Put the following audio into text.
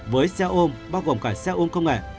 với xe ôm bao gồm cả xe ôm công nghệ